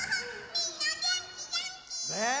みんなげんきげんき！ねえ！